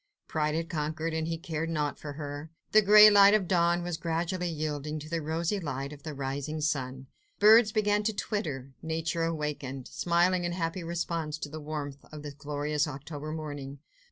Pride had conquered, and he cared naught for her. The grey of dawn was gradually yielding to the rosy light of the rising sun. Birds began to twitter; Nature awakened, smiling in happy response to the warmth of this glorious October morning.